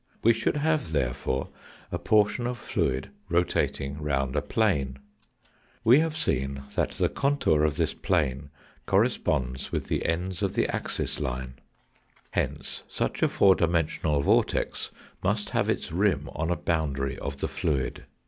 We should have therefore a portion of fluid rotating round a plane. We have seen that the contour of this plane corresponds with the ends of the axis line. Hence such a four dimensional vortex must have its rim on a boundary of the fluid.